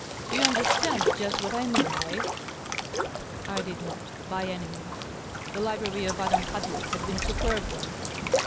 Tou understand just what I mean, eh ?" I did not, by any means. The library of Adam Hadley had been a superb one.